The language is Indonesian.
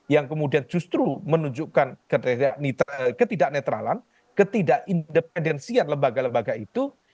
yang kemudian justru menunjukkan ketidak netralan ketidakindependensian lembaga lembaga itu